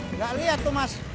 nggak lihat tuh mas